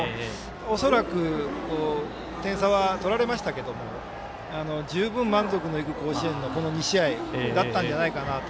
恐らく点差は取られましたけども十分満足のいく甲子園のこの２試合だったんじゃないかなと。